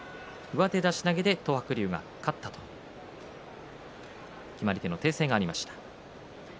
上手出し投げで東白龍が勝ったと決まり手の訂正がありました。